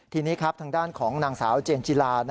ทีนี้ครับทางด้านของนางสาวเจนจิลา